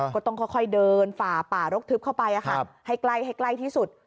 ก็ต้องค่อยเดินฝ่าป่ารกทึบเข้าไปให้ใกล้ให้ใกล้ที่สุด